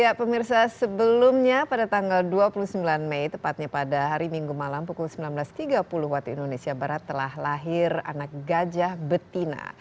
ya pemirsa sebelumnya pada tanggal dua puluh sembilan mei tepatnya pada hari minggu malam pukul sembilan belas tiga puluh waktu indonesia barat telah lahir anak gajah betina